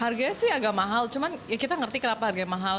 harganya sih agak mahal cuman ya kita ngerti kenapa harganya mahal